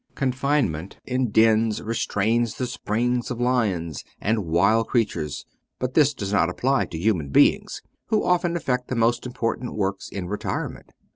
Confinement in dens restrains the springs of lions and wild creatures, but this does not apply to human beings, who often effect the most important works in retirement.